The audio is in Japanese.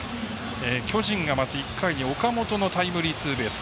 巨人がまず１回に岡本のタイムリーツーベース。